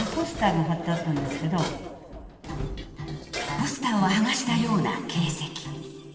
ポスターを剥がしたような形跡。